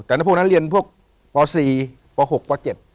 แต่พวกนั้นเรียนพวกป๔ป๖ป๗